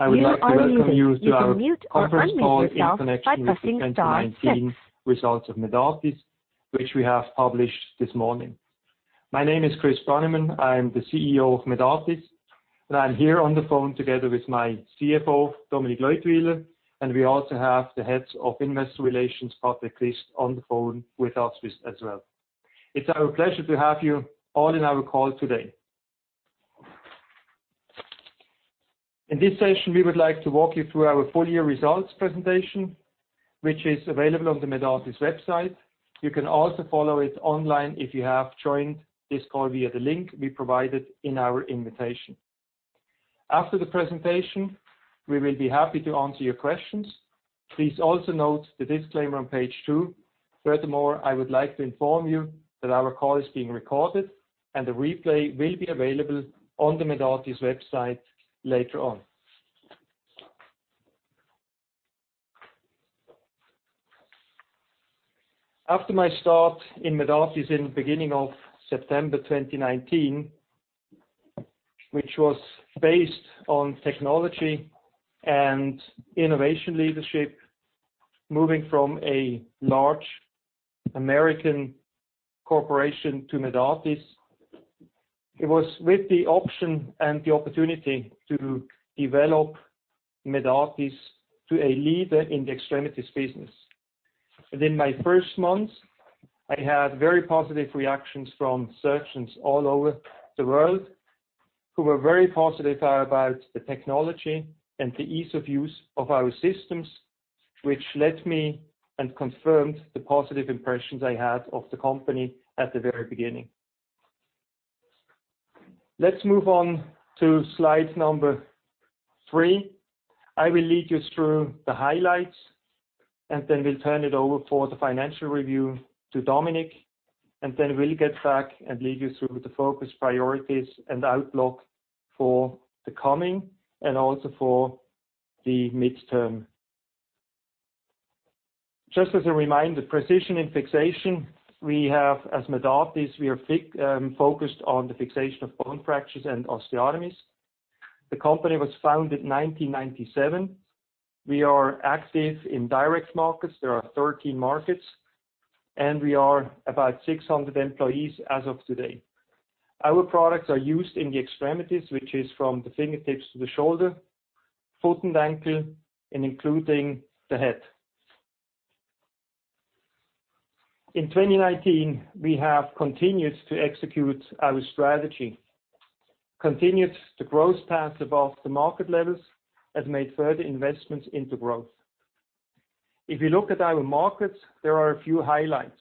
I would like to welcome you to our conference call in connection with the 2019 results of Medartis, which we have published this morning. My name is Christoph Brönnimann. I am the CEO of Medartis, and I'm here on the phone together with my CFO, Dominique Leutwyler, and we also have the heads of investor relations, Patrick Christ, on the phone with us as well. It's our pleasure to have you all in our call today. In this session, we would like to walk you through our full year results presentation, which is available on the Medartis website. You can also follow it online if you have joined this call via the link we provided in our invitation. After the presentation, we will be happy to answer your questions. Please also note the disclaimer on page two. Furthermore, I would like to inform you that our call is being recorded, and the replay will be available on the Medartis website later on. After my start in Medartis in the beginning of September 2019, which was based on technology and innovation leadership, moving from a large American corporation to Medartis, it was with the option and the opportunity to develop Medartis to a leader in the extremities business. Within my first month, I had very positive reactions from surgeons all over the world, who were very positive about the technology and the ease of use of our systems, which led me and confirmed the positive impressions I had of the company at the very beginning. Let's move on to slide number three. I will lead you through the highlights, and then we'll turn it over for the financial review to Dominique, and then we'll get back and lead you through the focus priorities and outlook for the coming and also for the midterm. Just as a reminder, precision in fixation, we have as Medartis, we are focused on the fixation of bone fractures and osteotomies. The company was founded in 1997. We are active in direct markets. There are 13 markets, and we are about 600 employees as of today. Our products are used in the extremities, which is from the fingertips to the shoulder, foot and ankle, and including the head. In 2019, we have continued to execute our strategy, continued the growth path above the market levels, and made further investments into growth. If you look at our markets, there are a few highlights.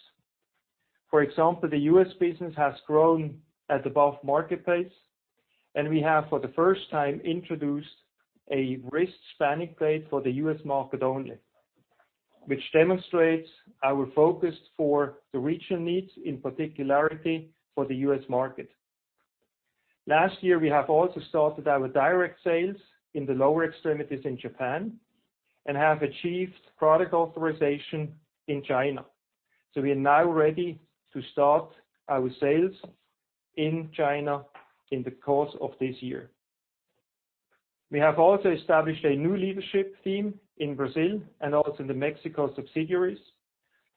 For example, the U.S. business has grown at above market pace. We have, for the first time, introduced a Wrist Spanning Plate for the U.S. market only, which demonstrates our focus for the regional needs, in particularity for the U.S. market. Last year, we have also started our direct sales in the lower extremities in Japan and have achieved product authorization in China. We are now ready to start our sales in China in the course of this year. We have also established a new leadership team in Brazil and also in the Mexico subsidiaries.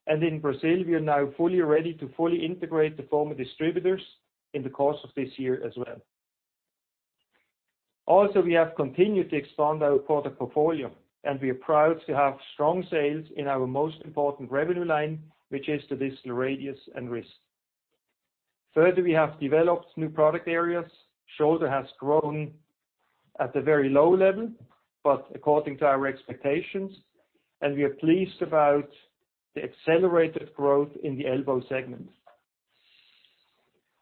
In Brazil, we are now fully ready to fully integrate the former distributors in the course of this year as well. Also, we have continued to expand our product portfolio, and we are proud to have strong sales in our most important revenue line, which is the distal radius and wrist. Further, we have developed new product areas. Shoulder has grown at a very low level, but according to our expectations, and we are pleased about the accelerated growth in the elbow segment.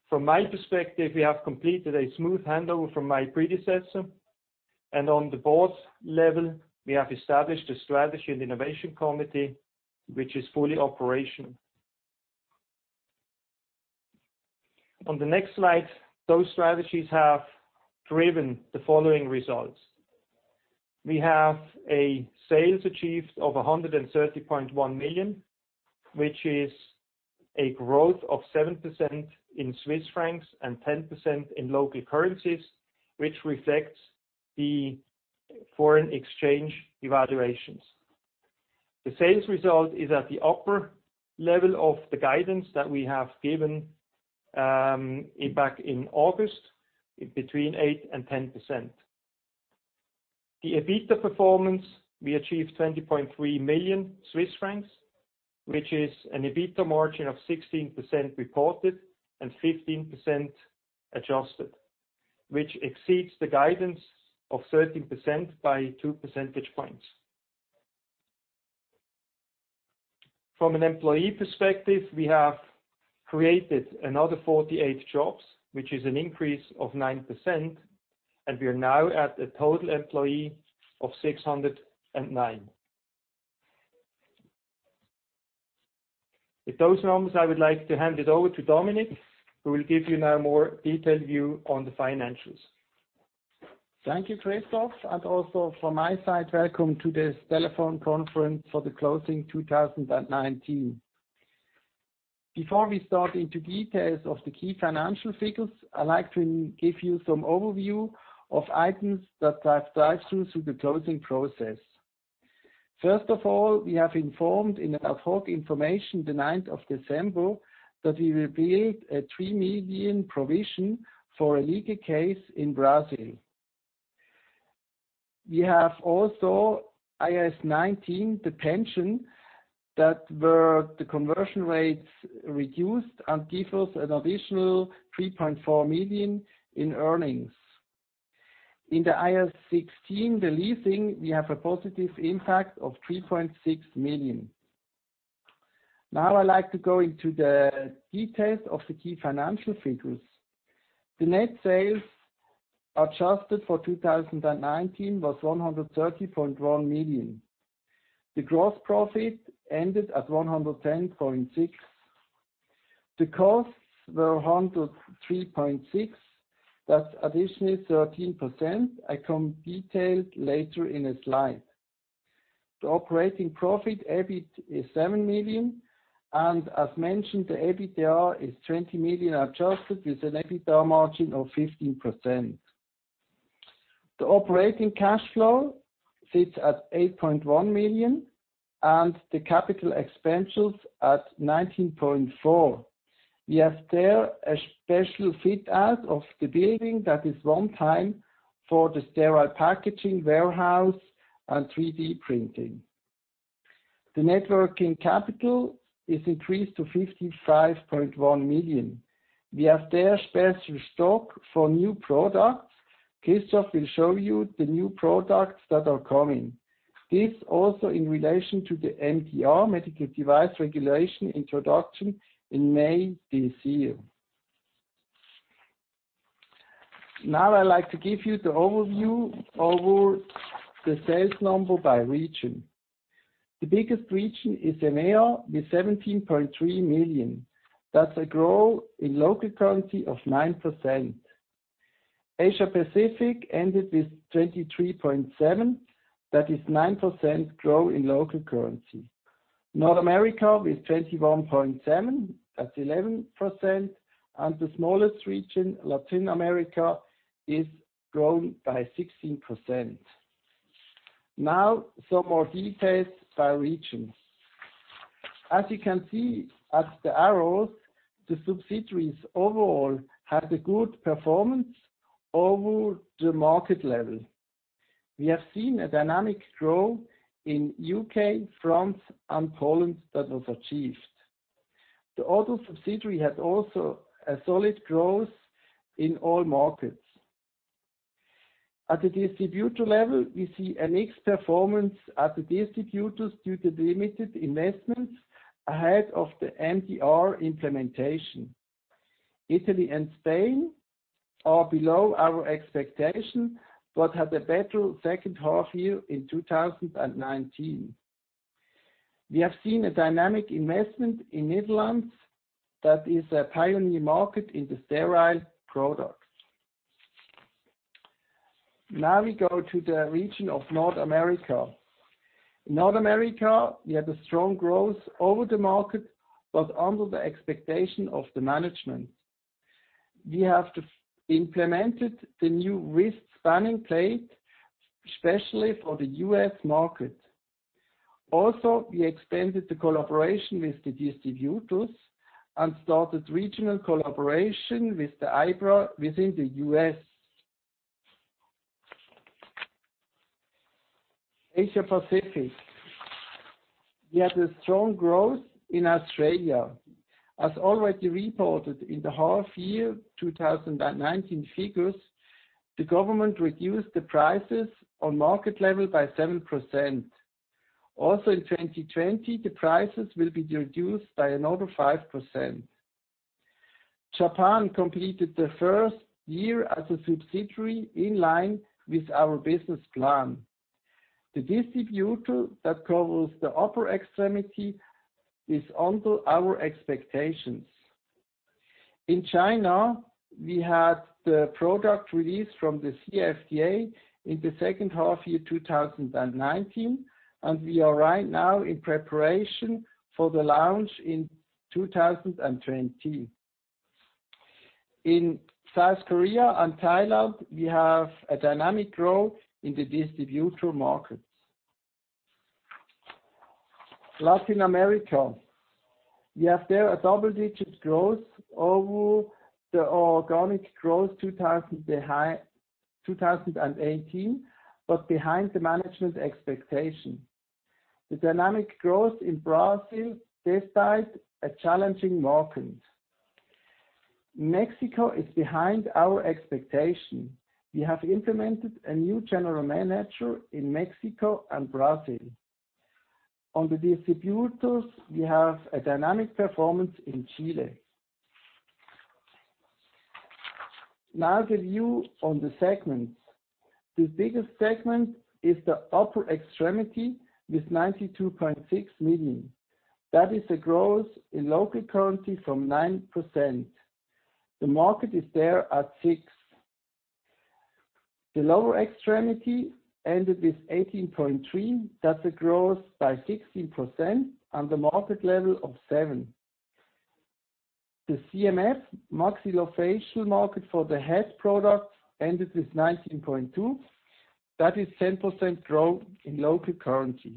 From my perspective, we have completed a smooth handover from my predecessor, and on the board level, we have established a strategy and innovation committee, which is fully operational. On the next slide, those strategies have driven the following results. We have a sales achieved of 130.1 million, which is a growth of 7% in CHF and 10% in local currencies, which reflects the foreign exchange fluctuations. The sales result is at the upper level of the guidance that we have given back in August, between 8% and 10%. The EBITDA performance, we achieved 20.3 million Swiss francs, which is an EBITDA margin of 16% reported and 15% adjusted, which exceeds the guidance of 13% by two percentage points. From an employee perspective, we have created another 48 jobs, which is an increase of 9%, and we are now at a total employee of 609. With those numbers, I would like to hand it over to Dominique, who will give you now a more detailed view on the financials. Thank you, Christoph, and also from my side, welcome to this telephone conference for the closing 2019. Before we start into details of the key financial figures, I'd like to give you some overview of items that have driven through the closing process. First of all, we have informed in our fourth information the 9th of December, that we will build a 3 million provision for a legal case in Brazil. We have also IAS 19, the pension that were the conversion rates reduced and give us an additional 3.4 million in earnings. In the IFRS 16, the leasing, we have a positive impact of 3.6 million. Now I'd like to go into the details of the key financial figures. The net sales adjusted for 2019 was 130.1 million. The gross profit ended at 110.6 million. The costs were 103.6 million. That's additionally 13%. I come detailed later in a slide. The operating profit, EBIT, is 7 million, and as mentioned, the EBITDA is 20 million adjusted with an EBITDA margin of 15%. The operating cash flow sits at 8.1 million and the capital expenses at 19.4 million. We have there a special fit out of the building that is one time for the sterile packaging warehouse and 3D printing. The networking capital is increased to 55.1 million. We have there special stock for new products. Christoph will show you the new products that are coming. This also in relation to the MDR, Medical Device Regulation, introduction in May this year. I'd like to give you the overview over the sales number by region. The biggest region is EMEA with 17.3 million. That's a growth in local currency of 9%. Asia-Pacific ended with 23.7 million. That is 9% growth in local currency. North America with 21.7 million, that's 11%. The smallest region, Latin America, is grown by 16%. Some more details by regions. As you can see at the arrows, the subsidiaries overall had a good performance over the market level. We have seen a dynamic growth in U.K., France, and Poland that was achieved. The other subsidiary had also a solid growth in all markets. At the distributor level, we see a mixed performance at the distributors due to the limited investments ahead of the MDR implementation. Italy and Spain are below our expectation, had a better second half year in 2019. We have seen a dynamic investment in Netherlands that is a pioneer market in the sterile products. We go to the region of North America. North America, we had a strong growth over the market, under the expectation of the management. We have implemented the new Wrist Spanning Plate, especially for the U.S. market. Also, we expanded the collaboration with the distributors and started regional collaboration with the IBRA within the U.S. Asia-Pacific. We had a strong growth in Australia. As already reported in the half year 2019 figures, the government reduced the prices on market level by 7%. In 2020, the prices will be reduced by another 5%. Japan completed the first year as a subsidiary in line with our business plan. The distributor that covers the upper extremity is under our expectations. In China, we had the product release from the CFDA in the second half year 2019, and we are right now in preparation for the launch in 2020. In South Korea and Thailand, we have a dynamic growth in the distributor markets. Latin America. We have there a double-digit growth over the organic growth 2018, behind the management expectation. The dynamic growth in Brazil despite a challenging market. Mexico is behind our expectation. We have implemented a new general manager in Mexico and Brazil. On the distributors, we have a dynamic performance in Chile. The view on the segments. The biggest segment is the upper extremity with 92.6 million. That is a growth in local currency from 9%. The market is there at 6%. The lower extremity ended with 18.3. That's a growth by 16% and the market level of 7%. The CMF maxillofacial market for the head product ended with 19.2. That is 10% growth in local currency.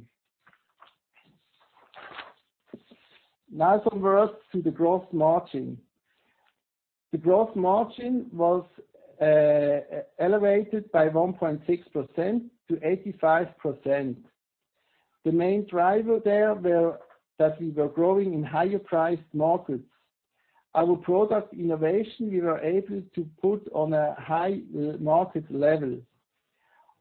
Some words to the gross margin. The gross margin was elevated by 1.6% to 85%. The main driver there were that we were growing in higher priced markets. Our product innovation, we were able to put on a high market level.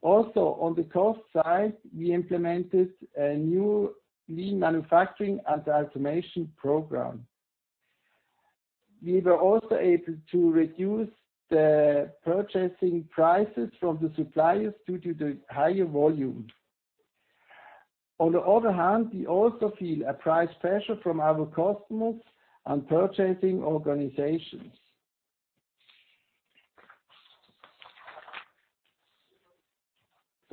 On the cost side, we implemented a new lean manufacturing and automation program. We were also able to reduce the purchasing prices from the suppliers due to the higher volume. On the other hand, we also feel a price pressure from our customers and purchasing organizations.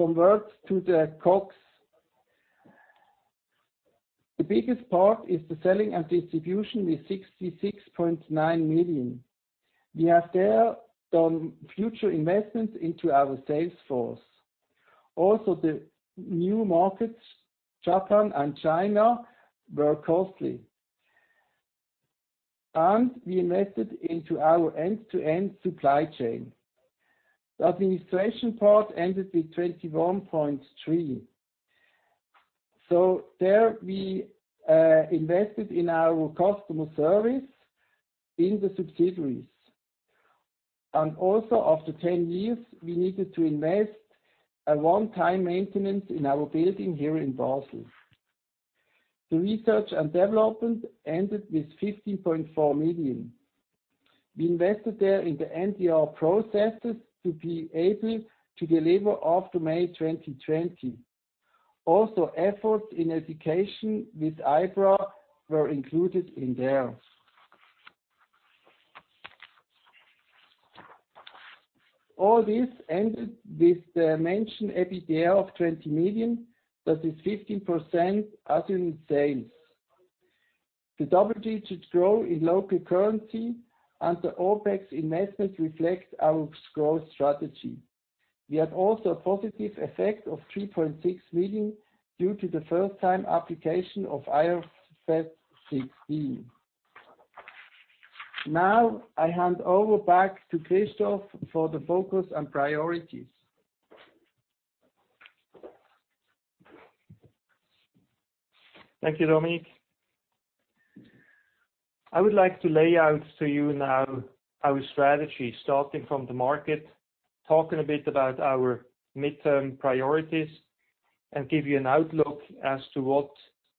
Some words to the COGS. The biggest part is the selling and distribution with 66.9 million. We have there done future investments into our sales force. The new markets, Japan and China, were costly. We invested into our end-to-end supply chain. The administration part ended with 21.3 million. There we invested in our customer service in the subsidiaries. Also after 10 years, we needed to invest a one-time maintenance in our building here in Basel. The research and development ended with 15.4 million. We invested there in the MDR processes to be able to deliver after May 2020. Efforts in education with IBRA were included in there. All this ended with the mentioned EBITDA of 20 million, that is 15% as in sales. The double-digit growth in local currency and the OpEx investment reflects our growth strategy. We had also a positive effect of 3.6 million due to the first time application of IFRS 16. I hand over back to Christoph for the focus and priorities. Thank you, Dominique. I would like to lay out to you now our strategy, starting from the market, talking a bit about our midterm priorities, and give you an outlook as to what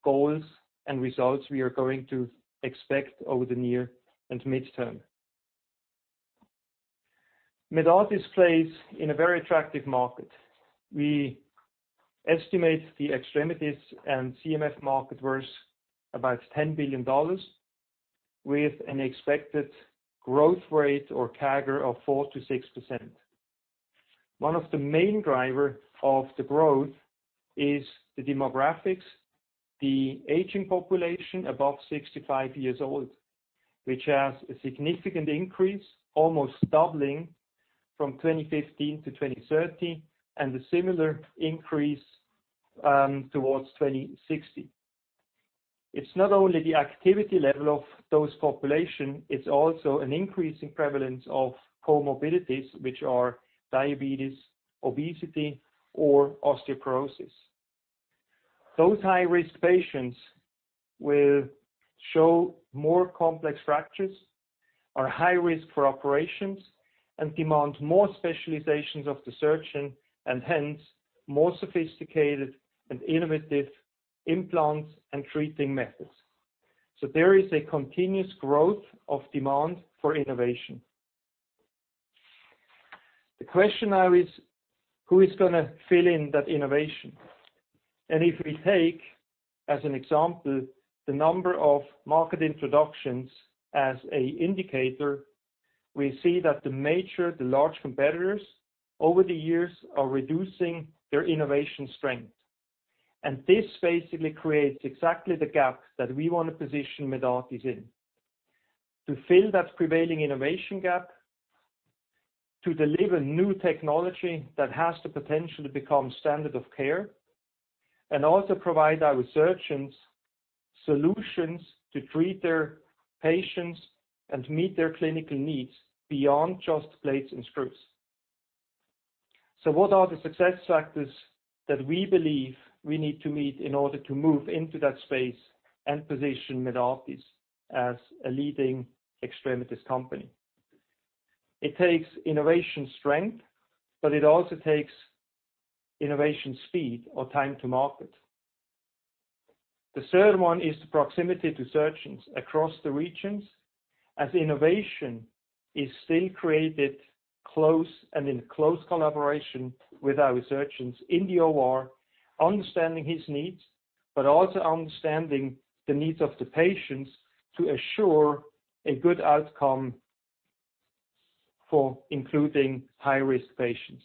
goals and results we are going to expect over the near and midterm. Medartis plays in a very attractive market. We estimate the extremities and CMF market worth about $10 billion with an expected growth rate or CAGR of 4%-6%. One of the main driver of the growth is the demographics, the aging population above 65 years old, which has a significant increase, almost doubling from 2015-2030, and a similar increase towards 2060. It's not only the activity level of those population, it's also an increase in prevalence of comorbidities, which are diabetes, obesity or osteoporosis. Those high-risk patients will show more complex fractures, are high risk for operations, and demand more specializations of the surgeon, and hence, more sophisticated and innovative implants and treating methods. There is a continuous growth of demand for innovation. The question now is, who is going to fill in that innovation? If we take, as an example, the number of market introductions as an indicator, we see that the major, the large competitors over the years are reducing their innovation strength. This basically creates exactly the gap that we want to position Medartis in. To fill that prevailing innovation gap, to deliver new technology that has the potential to become standard of care, and also provide our surgeons solutions to treat their patients and meet their clinical needs beyond just plates and screws. What are the success factors that we believe we need to meet in order to move into that space and position Medartis as a leading extremities company? It takes innovation strength, but it also takes innovation speed or time to market. The third one is the proximity to surgeons across the regions. As innovation is still created close and in close collaboration with our surgeons in the OR, understanding his needs, but also understanding the needs of the patients to assure a good outcome for including high-risk patients.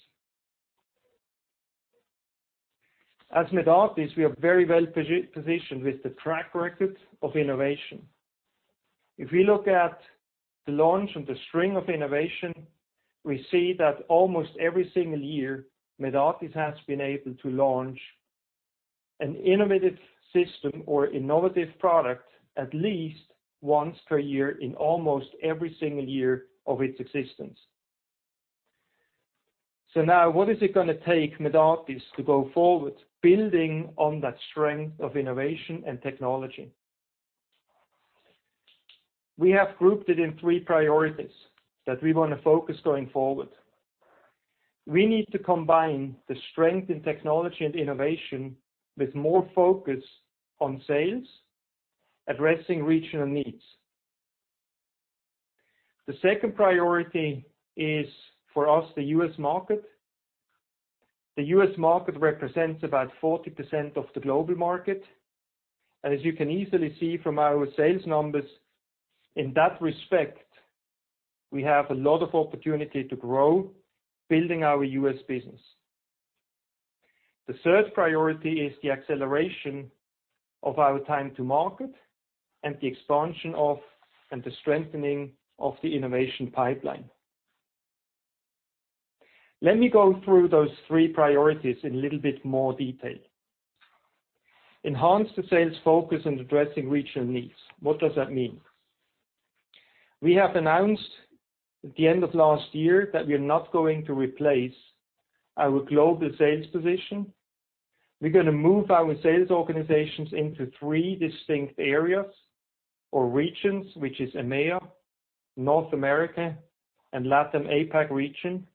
As Medartis, we are very well-positioned with the track record of innovation. If we look at the launch and the string of innovation, we see that almost every single year, Medartis has been able to launch an innovative system or innovative product at least once per year in almost every single year of its existence. What is it going to take Medartis to go forward, building on that strength of innovation and technology? We have grouped it in three priorities that we want to focus going forward. We need to combine the strength in technology and innovation with more focus on sales, addressing regional needs. The second priority is, for us, the U.S. market. The U.S. market represents about 40% of the global market. As you can easily see from our sales numbers, in that respect, we have a lot of opportunity to grow, building our U.S. business. The third priority is the acceleration of our time to market and the expansion of, and the strengthening of the innovation pipeline. Let me go through those three priorities in a little bit more detail. Enhance the sales focus on addressing regional needs. What does that mean? We have announced at the end of last year that we are not going to replace our global sales position. We're going to move our sales organizations into three distinct areas or regions, which is EMEA, North America, and LATAM/APAC region,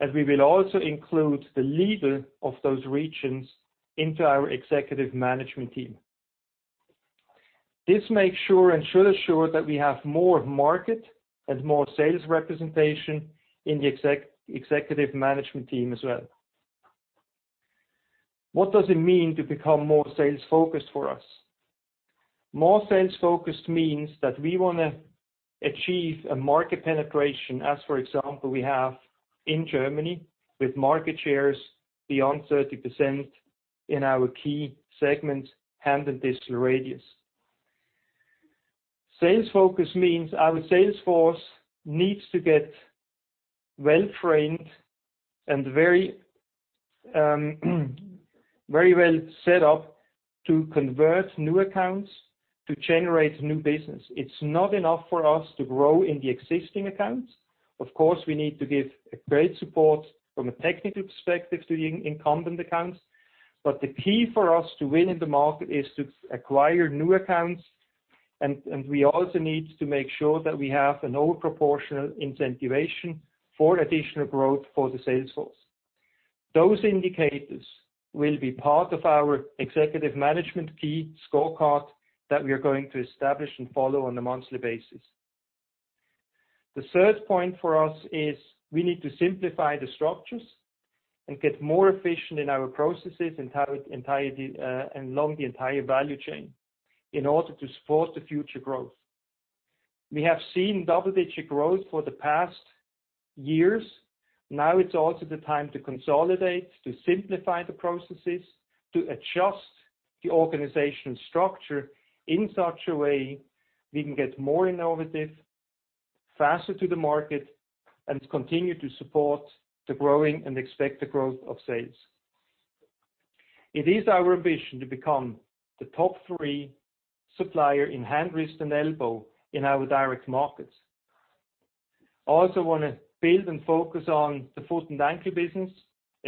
as we will also include the leader of those regions into our executive management team. This makes sure and should assure that we have more market and more sales representation in the executive management team as well. What does it mean to become more sales-focused for us? More sales-focused means that we want to achieve a market penetration as, for example, we have in Germany, with market shares beyond 30% in our key segments, hand and distal radius. Sales focus means our sales force needs to get well-trained and very well set up to convert new accounts to generate new business. It's not enough for us to grow in the existing accounts. Of course, we need to give great support from a technical perspective to the incumbent accounts. The key for us to win in the market is to acquire new accounts, and we also need to make sure that we have all proportional incentivation for additional growth for the sales force. Those indicators will be part of our executive management key scorecard that we are going to establish and follow on a monthly basis. The third point for us is we need to simplify the structures and get more efficient in our processes and along the entire value chain in order to support the future growth. We have seen double-digit growth for the past years. Now it's also the time to consolidate, to simplify the processes, to adjust the organization structure in such a way we can get more innovative, faster to the market, and continue to support the growing and expected growth of sales. It is our ambition to become the top three supplier in hand, wrist, and elbow in our direct markets. I also want to build and focus on the foot and ankle business,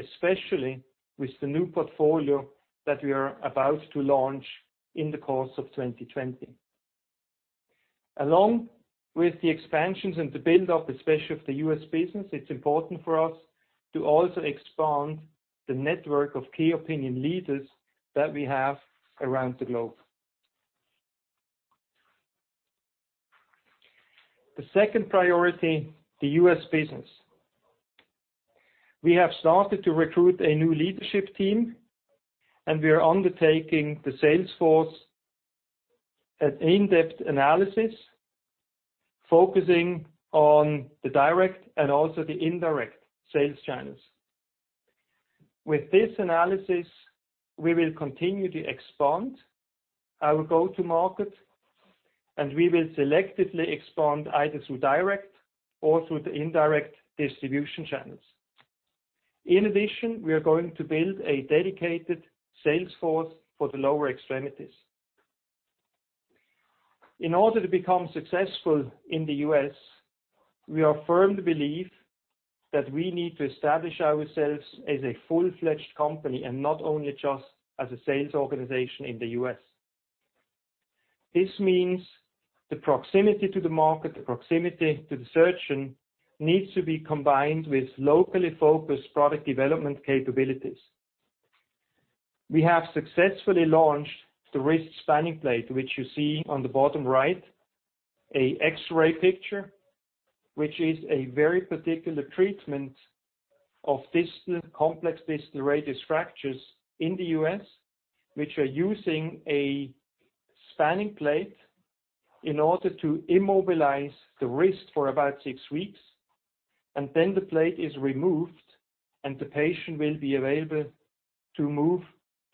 especially with the new portfolio that we are about to launch in the course of 2020. Along with the expansions and the build-up, especially of the U.S. business, it's important for us to also expand the network of key opinion leaders that we have around the globe. The second priority, the U.S. business. We have started to recruit a new leadership team, and we are undertaking the sales force an in-depth analysis, focusing on the direct and also the indirect sales channels. With this analysis, we will continue to expand our go-to market, and we will selectively expand either through direct or through the indirect distribution channels. In addition, we are going to build a dedicated sales force for the lower extremities. In order to become successful in the U.S., we are firm to believe that we need to establish ourselves as a full-fledged company and not only just as a sales organization in the U.S. This means the proximity to the market, the proximity to the surgeon, needs to be combined with locally-focused product development capabilities. We have successfully launched the Wrist Spanning Plate, which you see on the bottom right, a X-ray picture, which is a very particular treatment of complex distal radius fractures in the U.S., which are using a spanning plate in order to immobilize the wrist for about six weeks. Then the plate is removed, and the patient will be available to move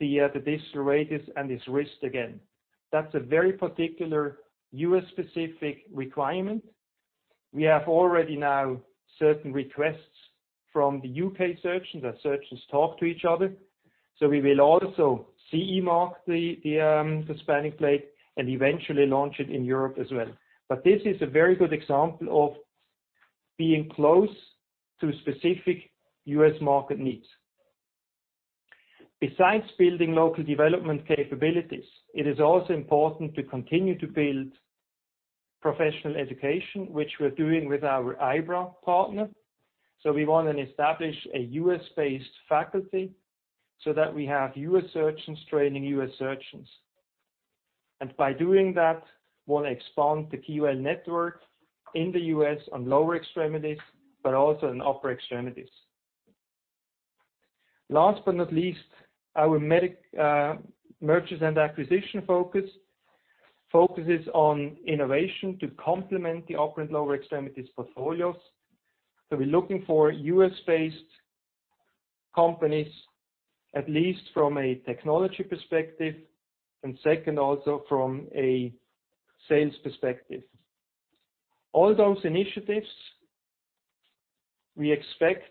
the distal radius and his wrist again. That's a very particular U.S.-specific requirement. We have already now certain requests from the U.K. surgeons, as surgeons talk to each other. We will also CE mark the spanning plate and eventually launch it in Europe as well. This is a very good example of being close to specific U.S. market needs. Besides building local development capabilities, it is also important to continue to build professional education, which we're doing with our IBRA partner. We want to establish a U.S.-based faculty so that we have U.S. surgeons training U.S. surgeons. By doing that, we'll expand the KOL network in the U.S. on lower extremities, but also on upper extremities. Last but not least, our mergers and acquisition focus, focuses on innovation to complement the upper and lower extremities portfolios. We're looking for U.S.-based companies, at least from a technology perspective, and second, also from a sales perspective. All those initiatives, we expect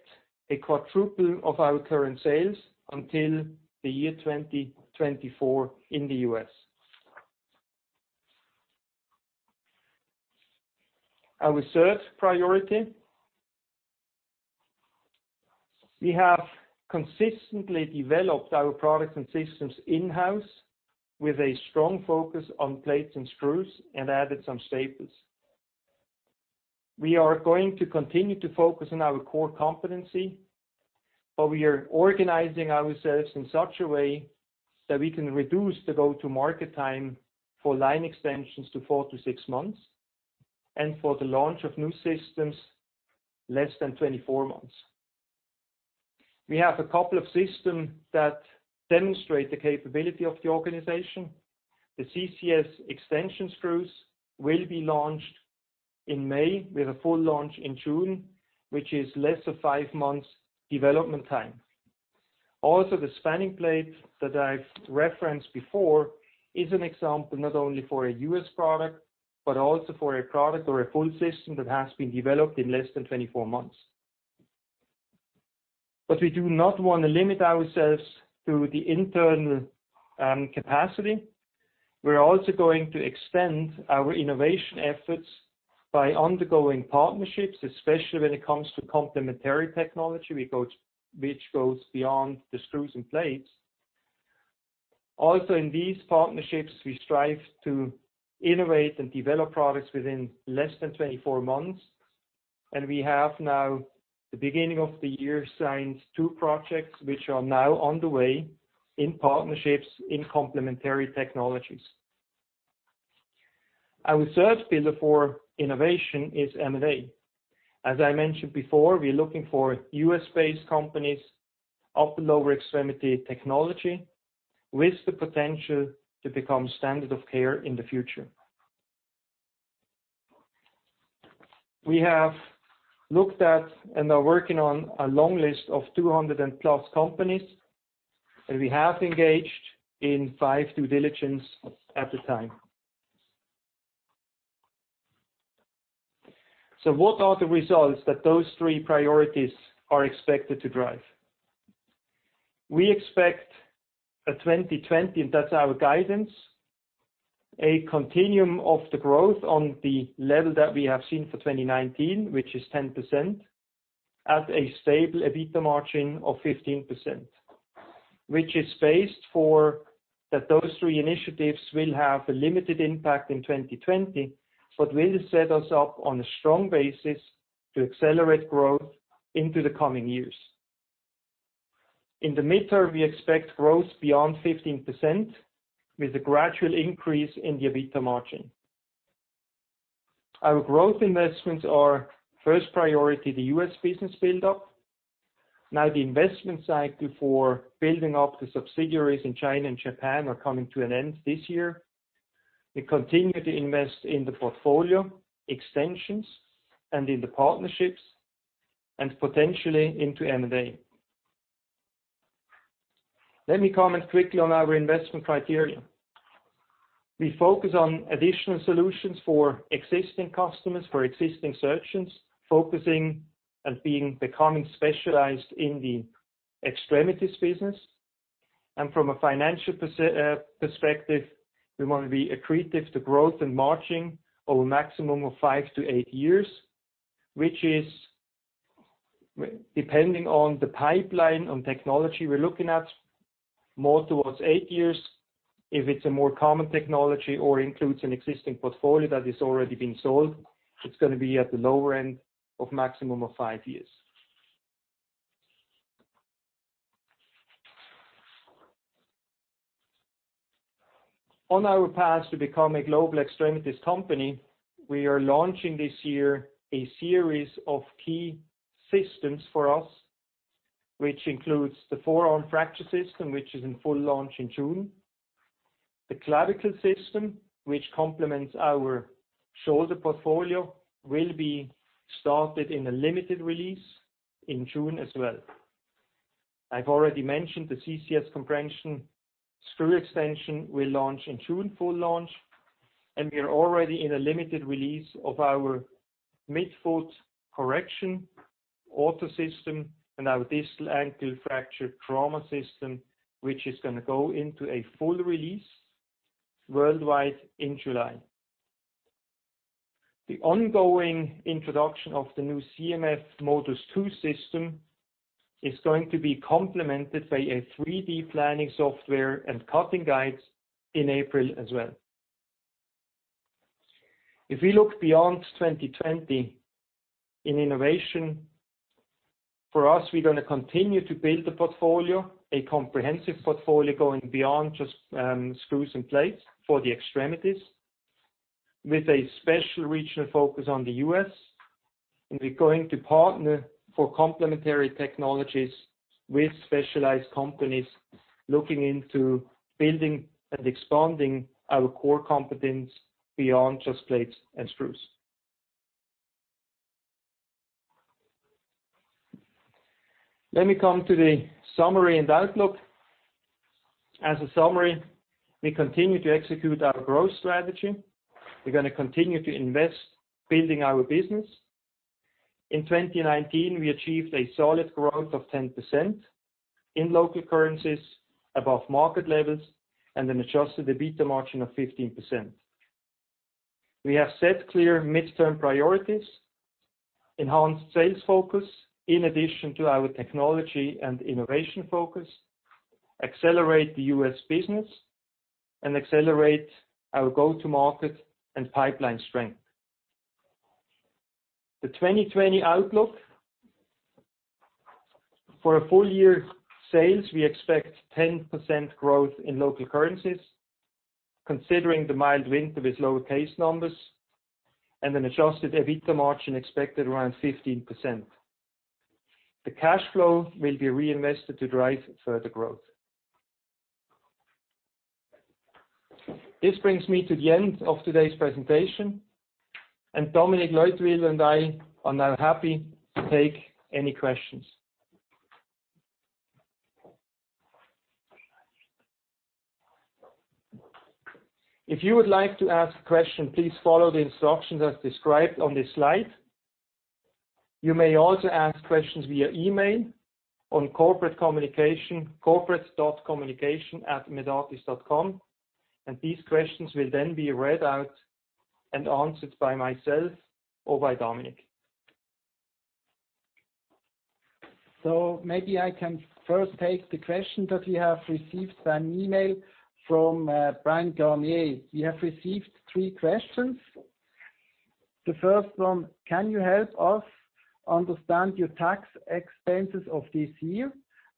a quadruple of our current sales until the year 2024 in the U.S. Our third priority. We have consistently developed our products and systems in-house with a strong focus on plates and screws, and added some staples. We are going to continue to focus on our core competency, but we are organizing ourselves in such a way that we can reduce the go-to-market time for line extensions to four-six months, and for the launch of new systems, less than 24 months. We have a couple of systems that demonstrate the capability of the organization. The CCS extension screws will be launched in May with a full launch in June, which is less than five months development time. Also, the spanning plate that I've referenced before is an example not only for a U.S. product, but also for a product or a full system that has been developed in less than 24 months. We do not want to limit ourselves to the internal capacity. In these partnerships, we strive to innovate and develop products within less than 24 months. We have now, the beginning of the year, signed two projects which are now on the way in partnerships in complementary technologies. Our third pillar for innovation is M&A. As I mentioned before, we're looking for U.S.-based companies of the lower extremity technology with the potential to become standard of care in the future. We have looked at and are working on a long list of 200-and-plus companies, and we have engaged in five due diligence at the time. What are the results that those three priorities are expected to drive? We expect a 2020, and that's our guidance, a continuum of the growth on the level that we have seen for 2019, which is 10%, at a stable EBITDA margin of 15%, which is based on that those three initiatives will have a limited impact in 2020, but will set us up on a strong basis to accelerate growth into the coming years. In the mid-term, we expect growth beyond 15% with a gradual increase in the EBITDA margin. Our growth investments are first priority the U.S. business build-up. Now the investment cycle for building up the subsidiaries in China and Japan are coming to an end this year. We continue to invest in the portfolio extensions and in the partnerships, and potentially into M&A. Let me comment quickly on our investment criteria. We focus on additional solutions for existing customers, for existing surgeons, focusing and becoming specialized in the extremities business. From a financial perspective, we want to be accretive to growth and margin over a maximum of five-eight years, which is depending on the pipeline on technology we're looking at, more towards eight years. If it's a more common technology or includes an existing portfolio that has already been sold, it's going to be at the lower end of maximum of five years. On our path to become a global extremities company, we are launching this year a series of key systems for us, which includes the APTUS Forearm, which is in full launch in June. The APTUS Clavicle System 2.8, which complements our shoulder portfolio, will be started in a limited release in June as well. I've already mentioned the CCS compression screw extension will launch in June, full launch. We are already in a limited release of our midfoot correction arthrodesis system and our distal ankle fracture trauma system, which is going to go into a full release worldwide in July. The ongoing introduction of the new CMX MODUS 2 system is going to be complemented by a 3D planning software and cutting guides in April as well. If we look beyond 2020 in innovation, for us, we're going to continue to build the portfolio, a comprehensive portfolio going beyond just screws and plates for the extremities, with a special regional focus on the U.S. We're going to partner for complementary technologies with specialized companies looking into building and expanding our core competence beyond just plates and screws. Let me come to the summary and outlook. As a summary, we continue to execute our growth strategy. We're going to continue to invest, building our business. In 2019, we achieved a solid growth of 10% in local currencies, above market levels, and an adjusted EBITDA margin of 15%. We have set clear midterm priorities, enhanced sales focus in addition to our technology and innovation focus, accelerate the U.S. business, and accelerate our go-to-market and pipeline strength. The 2020 outlook. For full year sales, we expect 10% growth in local currencies, considering the mild winter with lower case numbers, and an adjusted EBITDA margin expected around 15%. The cash flow will be reinvested to drive further growth. This brings me to the end of today's presentation, and Dominique Leutwyler and I are now happy to take any questions. If you would like to ask a question, please follow the instructions as described on this slide. You may also ask questions via email on corporate.communication@medartis.com, these questions will then be read out and answered by myself or by Dominique. Maybe I can first take the question that we have received by email from Bryan Garnier. We have received three questions. The first one: Can you help us understand your tax expenses of this year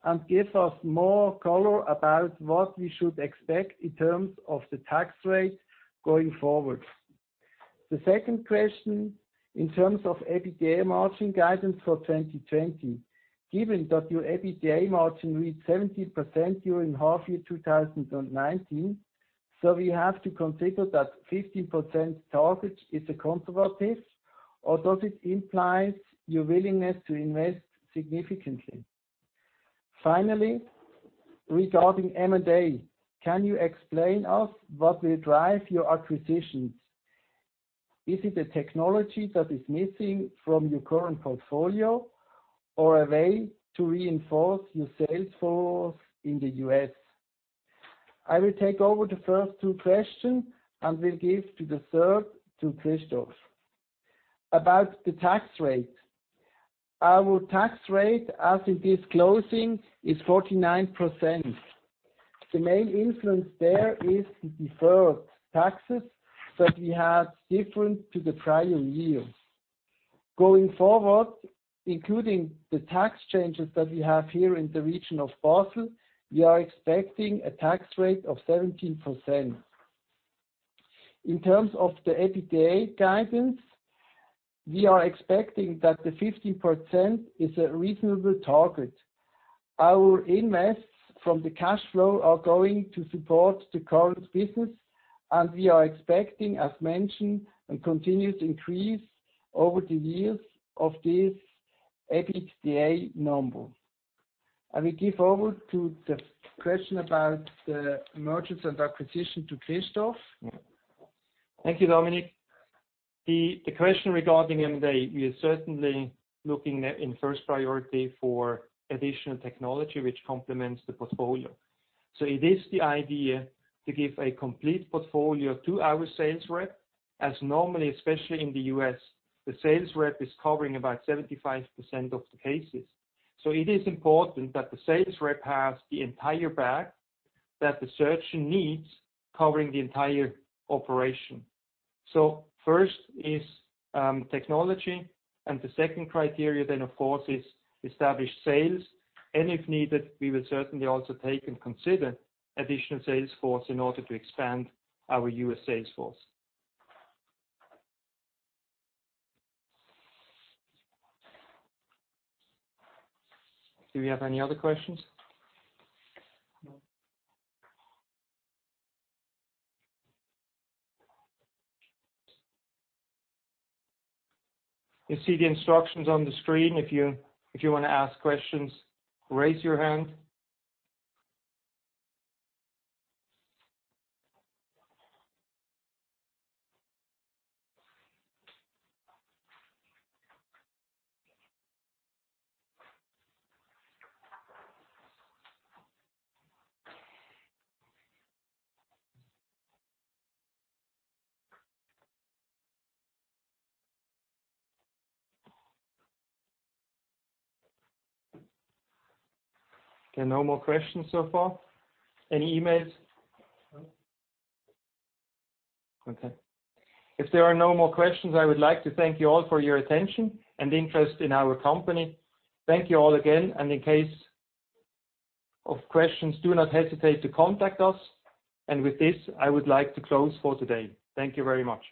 and give us more color about what we should expect in terms of the tax rate going forward? The second question: In terms of EBITDA margin guidance for 2020, given that your EBITDA margin reached 17% during half-year 2019, we have to consider that 15% target is conservative, or does it imply your willingness to invest significantly? Finally, regarding M&A, can you explain to us what will drive your acquisitions? Is it a technology that is missing from your current portfolio or a way to reinforce your sales force in the U.S.? I will take over the first two questions and will give the third to Christoph. About the tax rate. Our tax rate as of this closing is 49%. The main influence there is the deferred taxes that we had different to the prior year. Going forward, including the tax changes that we have here in the region of Basel, we are expecting a tax rate of 17%. In terms of the EBITDA guidance, we are expecting that the 15% is a reasonable target. Our investments from the cash flow are going to support the current business, and we are expecting, as mentioned, a continued increase over the years of this EBITDA number. I will give over the question about the mergers and acquisition to Christoph. Thank you, Dominique. The question regarding M&A, we are certainly looking in first priority for additional technology which complements the portfolio. It is the idea to give a complete portfolio to our sales rep, as normally, especially in the U.S., the sales rep is covering about 75% of the cases. It is important that the sales rep has the entire bag that the surgeon needs, covering the entire operation. First is technology. The second criteria then, of course, is established sales. If needed, we will certainly also take and consider additional sales force in order to expand our U.S. sales force. Do we have any other questions? No. You see the instructions on the screen. If you want to ask questions, raise your hand. Okay, no more questions so far. Any emails? No. Okay. If there are no more questions, I would like to thank you all for your attention and interest in our company. Thank you all again, and in case of questions, do not hesitate to contact us. With this, I would like to close for today. Thank you very much.